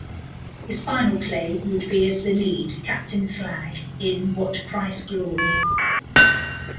His final play would be as the lead, Captain Flagg, in What Price Glory?